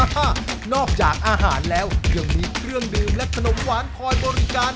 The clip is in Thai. นอกจากอาหารแล้วยังมีเครื่องดื่มและขนมหวานคอยบริการ